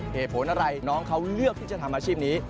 เหตุผลอะไรน้องเขาเลือกที่จะทำอาชีพนี้